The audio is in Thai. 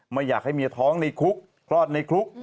ไม่อยากให้เมียท้องในคุกคลอดในคุก